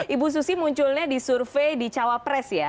ibu susi munculnya di survei di cawa press ya